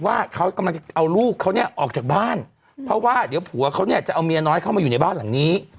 ว่าเขากำลังจะเอาลูกเขาเนี่ยออกจากบ้านเพราะว่าเดี๋ยวผัวเขาเนี่ยจะเอาเมียน้อยเข้ามาอยู่ในบ้านหลังนี้